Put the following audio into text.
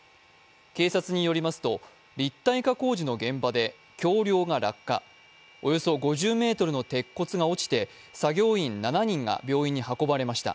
警察によりますと、立体化工事の現場で橋りょうが落下、およそ５０ｍの鉄骨が落ちて作業員７人が病院に運ばれました。